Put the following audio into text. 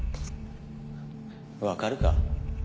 わかるか？